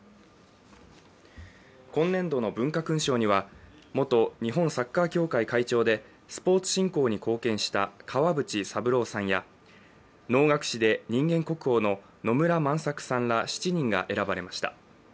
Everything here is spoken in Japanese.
今年度の文化勲章には、元日本サッカー協会会長でスポーツ振興に貢献した川淵三郎さんや、能楽師で人間国宝の野村万作さんら７人が選ばれました。